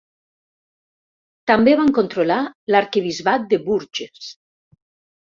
També van controlar l'arquebisbat de Bourges.